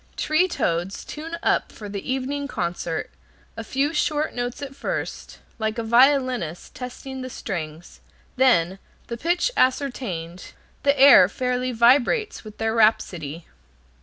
Tree toads tune up for the evening concert, a few short notes at first, like a violinist testing the strings, then, the pitch ascertained, the air fairly vibrates with their rhapsody.